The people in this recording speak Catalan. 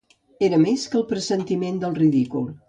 Era més que el pressentiment del ridícul.